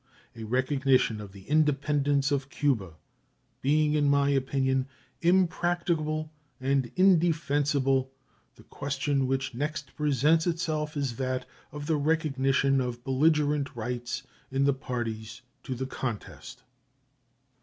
A recognition of the independence of Cuba being, in my opinion, impracticable and indefensible, the question which next presents itself is that of the recognition of belligerent rights in the parties to the contest.